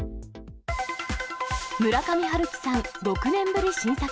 村上春樹さん、６年ぶり新作。